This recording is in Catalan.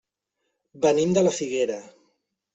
Venim de la Figuera.